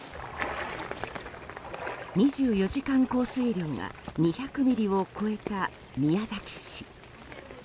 ２４時間降水量が２００ミリを超えた宮崎市。